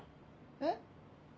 えっ？